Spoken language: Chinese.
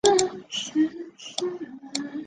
大尾真剑水蚤为剑水蚤科真剑水蚤属的动物。